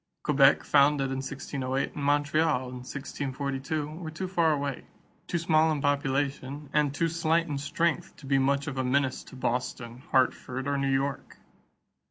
Quebec, founded in 1608, and Montreal, in 1642, were too far away, too small in population, and too slight in strength to be much of a menace to Boston, Hartford, or New York.